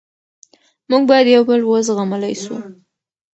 موږ باید یو بل و زغملی سو.